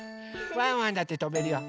ワンワンだってとべるよ。